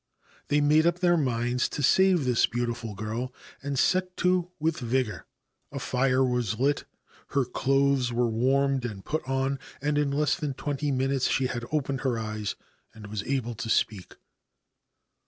They made up their minds to save this beautiful girl, and set to with vigour. A fire was lit ; her clothes were warmed and put on ; and in less than twenty minutes she had opened her eyes and was able to speak.